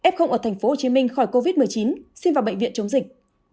f ở tp hcm khỏi covid một mươi chín xin vào bệnh viện chống dịch